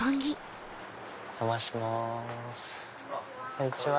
こんにちは。